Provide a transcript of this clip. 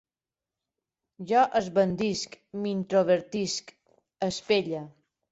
Jo esbandisc, m'introvertisc, espelle